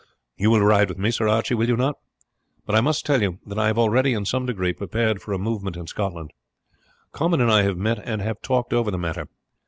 You will ride with me, Sir Archie, will you not? But I must tell you that I have already, in some degree, prepared for a movement in Scotland. Comyn and I have met and have talked over the matter.